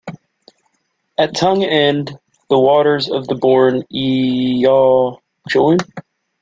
At Tongue End the waters of the Bourne Eau join.